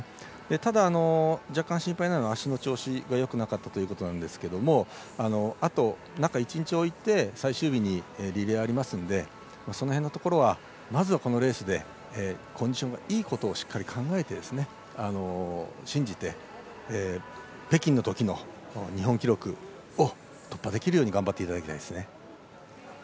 ただ、若干心配なのは足の調子がよくなかったということなんですけどあと中１日置いて最終日にリレーがありますのでその辺のところはまずはこのレースでコンディションがいいことをしっかり考えて信じて、北京のときの日本記録を突破できるように頑張っていただきたいですね。